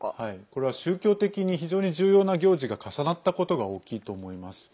これは宗教的に、非常に重要な行事が重なったことが大きいと思います。